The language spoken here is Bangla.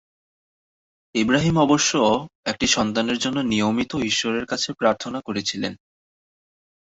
ইব্রাহিম অবশ্য একটি সন্তানের জন্য নিয়মিত ঈশ্বরের কাছে প্রার্থনা করেছিলেন।